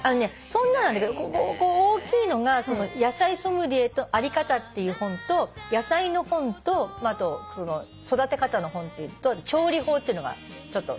そんななんだけど大きいのが「野菜ソムリエとあり方」っていう本と野菜の本と育て方の本っていうのと調理法っていうのがちょっと。